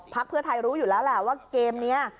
พลักษณ์เพื่อไทยรู้อยู่แล้วว่าเกมเนี่ย